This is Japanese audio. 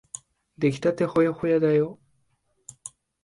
できたてほやほやだよ。